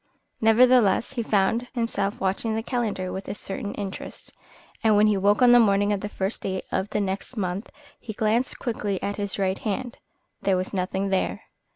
Nevertheless, he found himself watching the calendar with a certain interest, and when he woke on the morning of the first day of the next month he glanced quickly at his right hand. There was nothing there.